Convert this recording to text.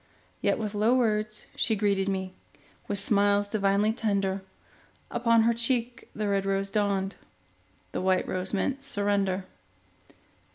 Yet with low words she greeted me, With smiles divinely tender; Upon her cheek the red rose dawned, The white rose meant surrender.